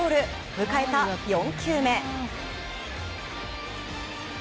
迎えた４球目。